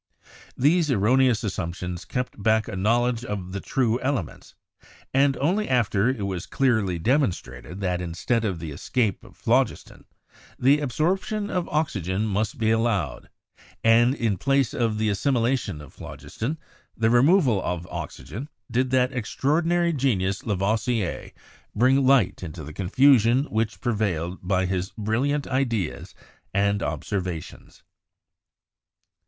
These erroneous assumptions kept back a knowledge of the true elements, and only after it was clearly demonstrated that instead of the escape of phlogiston, the absorption of oxy DEVELOPMENT OF SPECIAL BRANCHES 135 gen must be allowed, and in place of the assimilation of phlogiston the removal of oxygen, did that extraordinary genius Lavoisier bring light into the confusion which pre vailed by his brilliant ideas and observations.